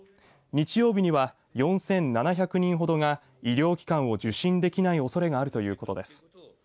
日曜日には、４７００人ほどが医療機関を受診できないおそれがあるということです。